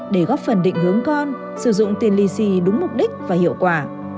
để góp phần định hướng con sử dụng tiền lì xì đúng mục đích và hiệu quả